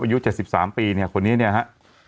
อายุ๗๓ปีเนี่ยคนนี้เนี่ยฮะ